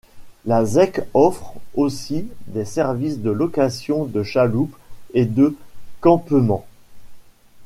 La zec offre aussi des services de location de chaloupes et de campements.